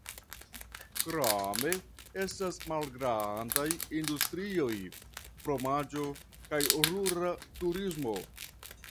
Krome estas malgrandaj industrioj (fromaĝo) kaj rura turismo.